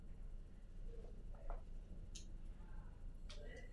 V praxi se oba tyto pojmy nerozlišují.